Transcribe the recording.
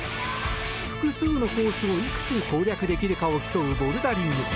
複数のコースをいくつ攻略できるかを競うボルダリング。